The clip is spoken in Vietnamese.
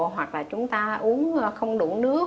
hoặc là chúng ta uống không đủ nước